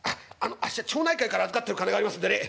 あっしは町内会から預かってる金がありますんでね。